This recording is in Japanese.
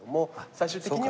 最終的には。